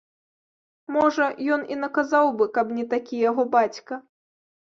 Можа, ён і наказаў бы, каб не такі яго бацька.